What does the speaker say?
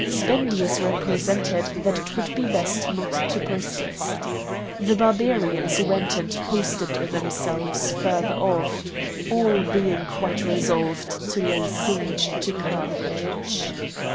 Spendius represented that it would be best not to persist. The Barbarians went and posted themselves further off, all being quite resolved to lay siege to Carthage.